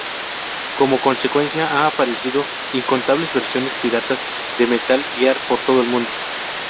Como consecuencia han aparecido incontables versiones pirata de Metal Gear por todo el mundo.